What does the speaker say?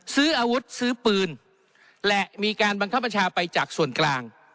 ซื้ออาวุธซื้อปืนและมีการบังคับบัญชาไปจากส่วนกลาง